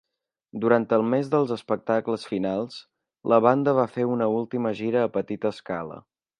Durant el mes dels espectacles finals, la banda va fer una última gira a petita escala.